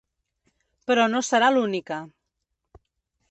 Però no serà l’única.